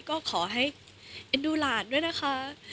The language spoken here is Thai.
ก็ขอให้เอ็นดูหลานด้วยนะคะ